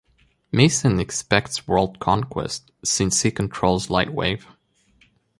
Mason expects world conquest since he controls Lightwave.